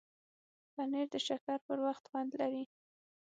پنېر د شکر پر وخت خوند لري.